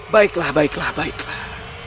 baiklah baiklah baiklah